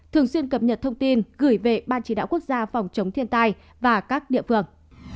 thường xuyên cập nhật thông tin gửi về ban chỉ đạo quốc gia phòng chống thiên tai và các địa phương